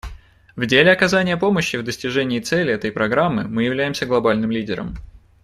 В деле оказания помощи в достижении целей этой Программы мы являемся глобальным лидером.